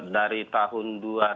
dari tahun dua ribu dua